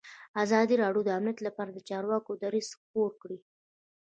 ازادي راډیو د امنیت لپاره د چارواکو دریځ خپور کړی.